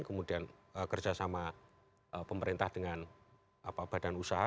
kemudian kerjasama pemerintah dengan badan usaha